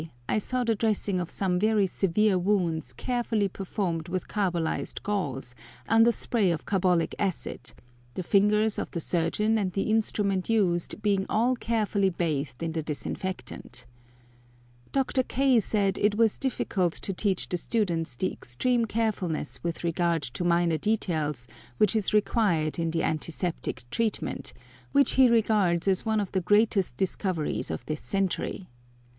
I saw the dressing of some very severe wounds carefully performed with carbolised gauze, under spray of carbolic acid, the fingers of the surgeon and the instruments used being all carefully bathed in the disinfectant. Dr. K. said it was difficult to teach the students the extreme carefulness with regard to minor details which is required in the antiseptic treatment, which he regards as one of the greatest discoveries of this century.